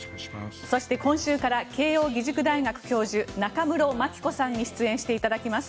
そして、今週から慶應義塾大学教授中室牧子さんに出演していただきます。